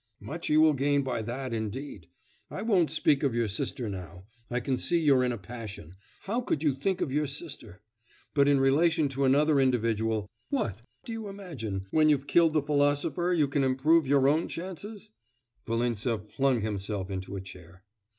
'Much you will gain by that, indeed! I won't speak of your sister now. I can see you're in a passion... how could you think of your sister! But in relation to another individual what! do you imagine, when you've killed the philosopher, you can improve your own chances?' Volintsev flung himself into a chair.